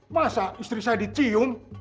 masa istri saya dicium